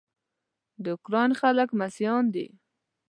د اوکراین خلک مسیحیان دي.